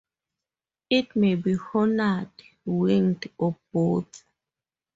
It may be horned, winged, or both.